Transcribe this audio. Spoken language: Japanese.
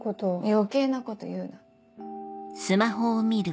余計なこと言うな。